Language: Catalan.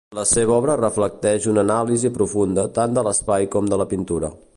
La seva obra reflecteix una anàlisi profunda tant de l'espai com de la pintura.